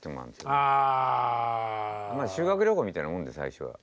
修学旅行みたいなもんで最初は。